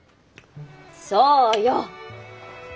そうよ！